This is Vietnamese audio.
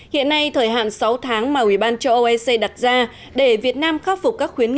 hiện nay thời hạn sáu tháng mà ủy ban cho oec đặt ra để việt nam khắc phục